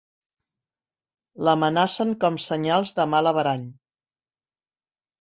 L'amenacen com senyals de mal averany.